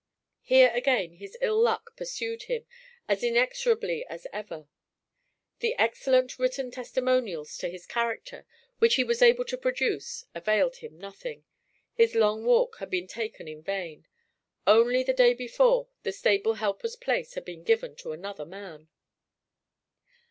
Here again his ill luck pursued him as inexorably as ever. The excellent written testimonials to his character which he was able to produce availed him nothing; his long walk had been taken in vain: only the day before the stable helper's place had been given to another man.